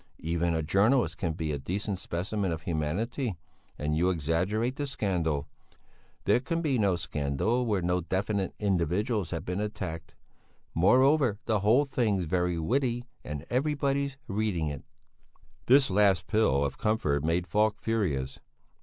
Even a journalist can be a decent specimen of humanity, and you exaggerate the scandal. There can be no scandal where no definite individuals have been attacked. Moreover, the whole thing's very witty, and everybody's reading it." This last pill of comfort made Falk furious.